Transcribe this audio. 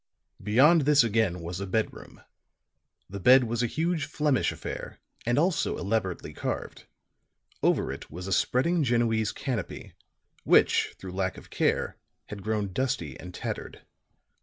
Beyond this again was a bedroom. The bed was a huge Flemish affair, and also elaborately carved; over it was a spreading Genoese canopy, which through lack of care had grown dusty and tattered.